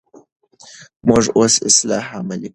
موږ اوس اصلاح عملي کوو.